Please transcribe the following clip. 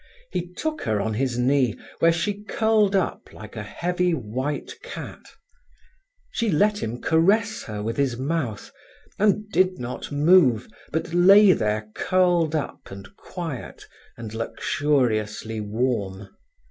He took her on his knee, where she curled up like a heavy white cat. She let him caress her with his mouth, and did not move, but lay there curled up and quiet and luxuriously warm.